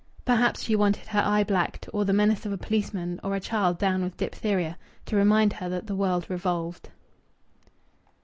Perhaps she wanted her eye blacked, or the menace of a policeman, or a child down with diphtheria, to remind her that the world revolved.